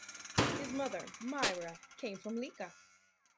His mother Mira came from Lika.